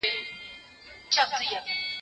زه به د سوالونو جواب ورکړی وي!؟